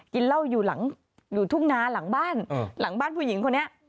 กินเหล้าอยู่หลังอยู่ทุ่งนาหลังบ้านหลังบ้านผู้หญิงคนนี้